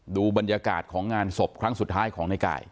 ดูบรรยากาศของงานศพครั้งสุดท้ายของในกาย